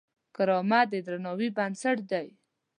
کرامت د درناوي بنسټ دی.